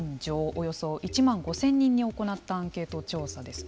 およそ１万５０００人に行ったアンケート調査です。